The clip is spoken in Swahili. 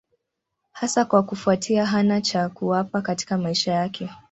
Hasa kwa kufuatia hana cha kuwapa katika maisha yake.